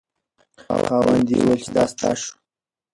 خاوند یې وویل چې دا ستا شو.